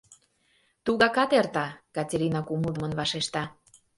— Тугакат эрта, — Катерина кумылдымын вашешта.